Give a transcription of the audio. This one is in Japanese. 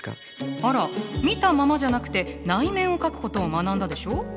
あら見たままじゃなくて内面を描くことを学んだでしょ？